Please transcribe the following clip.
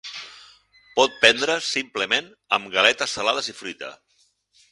Pot prendre's simplement amb galetes salades i fruita.